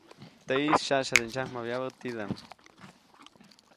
Teʼis saʼsyade ndsyamjabyabä tidaʼm.